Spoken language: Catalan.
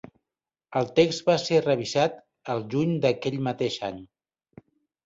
El text va ser revisat el juny d'aquell mateix any.